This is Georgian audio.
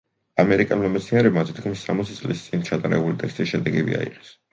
ამერიკელმა მეცნიერებმა თითქმის სამოცი წლის წინ ჩატარებული ტესტის შედეგები აიღეს.